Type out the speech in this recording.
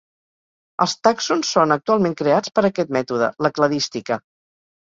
Els tàxons són actualment creats per aquest mètode, la cladística.